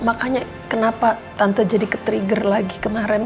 makanya kenapa tante jadi ketrigger lagi kemarin